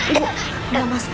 ibu udah mas